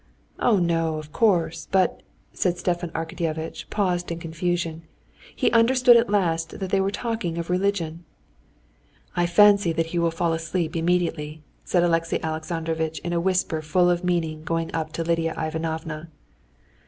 "Oh, no, of course; but...." and Stepan Arkadyevitch paused in confusion. He understood at last that they were talking of religion. "I fancy he will fall asleep immediately," said Alexey Alexandrovitch in a whisper full of meaning, going up to Lidia Ivanovna.